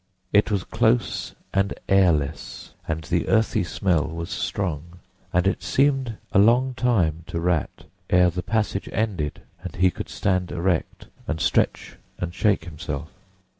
It was close and airless, and the earthy smell was strong, and it seemed a long time to Rat ere the passage ended and he could stand erect and stretch and shake himself.